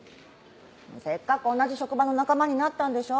せっかく同じ職場の仲間になったんでしょ。